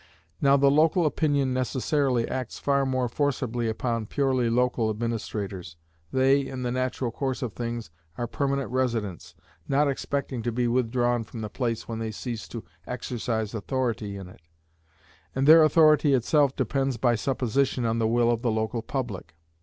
Now the local opinion necessarily acts far more forcibly upon purely local administrators. They, in the natural course of things, are permanent residents, not expecting to be withdrawn from the place when they cease to exercise authority in it; and their authority itself depends, by supposition, on the will of the local public.